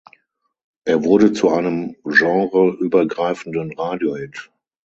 Er wurde zu einem genreübergreifenden Radiohit.